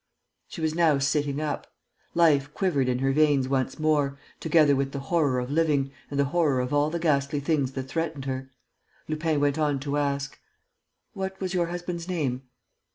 She was now sitting up. Life quivered in her veins once more, together with the horror of living and the horror of all the ghastly things that threatened her. Lupin went on to ask: "What was your husband's name?"